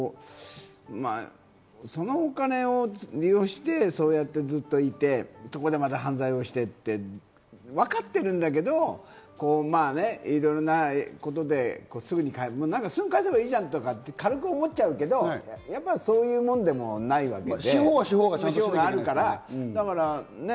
そのお金を利用してずっといて、そこでまた犯罪をして、わかってるんだけど、いろんなことですぐにかえせばいいじゃんって軽く思っちゃうけど、そういうもんでもないわけで。